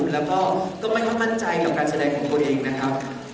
แล้วก็ก็ไม่ค่อยมั่นใจกับการแสดงของตัวเองนะครับ